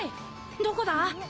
どこだ？